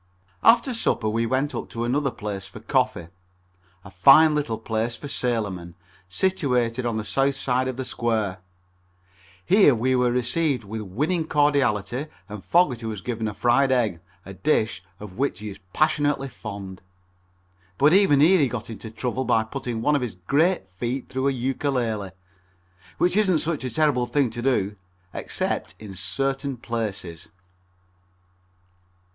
After supper we went up to another place for coffee, a fine little place for sailormen, situated on the south side of the square. Here we were received with winning cordiality and Fogerty was given a fried egg, a dish of which he is passionately fond. But even here he got into trouble by putting one of his great feet through a Ukulele, which isn't such a terrible thing to do, except in certain places.